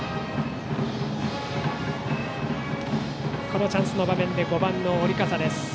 このチャンスの場面で５番の織笠です。